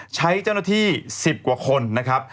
ใช้เจ้าหน้าที่๑๐กว่าคนนะครับ